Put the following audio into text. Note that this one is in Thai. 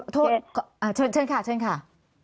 โทษเชิญค่ะเชิญค่ะ